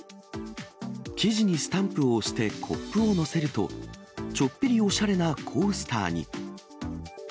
生地にスタンプを押してコップを載せると、ちょっぴりおしゃれなコースターに。